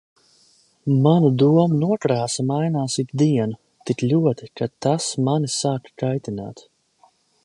Manu domu nokrāsa mainās ik dienu, tik ļoti, ka tas mani sāk kaitināt.